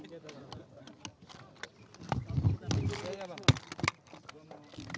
bikin di sini pak